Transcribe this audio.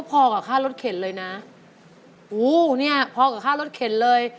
ก็พอกับค่ารถเข็นเลยนะพอกับค่ารถเข็นเลย